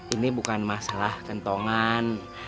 ini bukan masalah kentongan